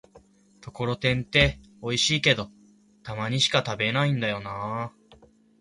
ところてんっておいしいけど、たまにしか食べないんだよなぁ